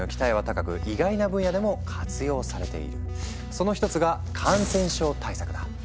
その一つが感染症対策だ。